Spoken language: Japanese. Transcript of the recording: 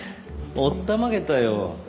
おったまげたよ。